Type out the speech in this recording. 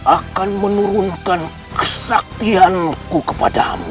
akan menurunkan kesaktianku kepadamu